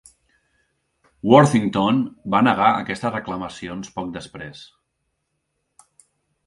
Worthington va negar aquestes reclamacions poc després.